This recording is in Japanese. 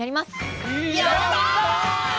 やった！